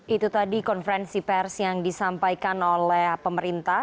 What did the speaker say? itu tadi konferensi pers yang disampaikan oleh pemerintah